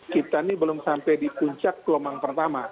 kita ini belum sampai di puncak gelombang pertama